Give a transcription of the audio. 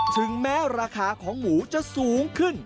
ถึงแม้ราคาของหมูจะสูงขึ้น